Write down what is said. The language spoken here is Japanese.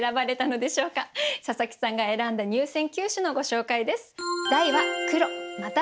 佐佐木さんが選んだ入選九首のご紹介です。